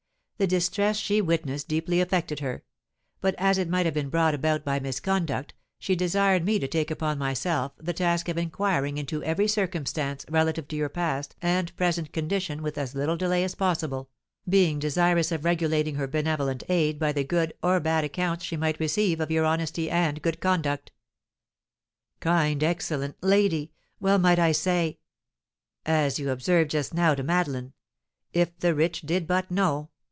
The distress she witnessed deeply affected her; but as it might have been brought about by misconduct, she desired me to take upon myself the task of inquiring into every circumstance relative to your past and present condition with as little delay as possible, being desirous of regulating her benevolent aid by the good or bad accounts she might receive of your honesty and good conduct." "Kind, excellent lady! Well might I say " "As you observed just now to Madeleine, 'If the rich did but know!'